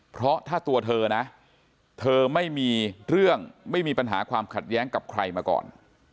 เพราะถ้าตัวเธอนะเธอไม่มีเรื่องไม่มีปัญหาความขัดแย้งกับใครมาก่อน